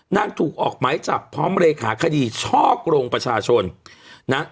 น่าถูกออกไหมจากพร้อมตต์เรขาคดีชอบโรงประชาชน